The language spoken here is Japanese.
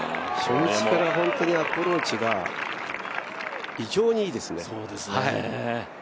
初日から本当にアプローチが異常にいいですね。